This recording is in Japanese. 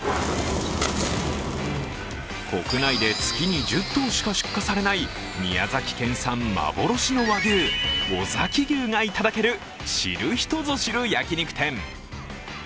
国内で月に１０頭しか出荷されない宮崎県産幻の和牛、尾崎牛がいただける知る人ぞ知る焼き肉店。